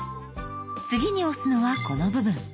次に押すのはこの部分。